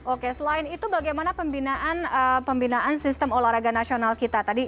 oke selain itu bagaimana pembinaan sistem olahraga nasional kita tadi